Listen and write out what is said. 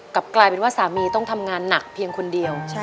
กลับกลายเป็นว่าสามีต้องทำงานหนักเพียงคนเดียว